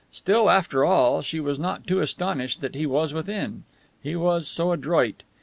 Still, after all, she was not too astonished that he was within. He was so adroit!